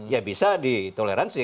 ya bisa ditoleransi